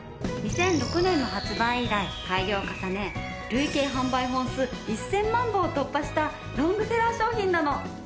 ２００６年の発売以来改良を重ね累計販売本数１０００万本を突破したロングセラー商品なの！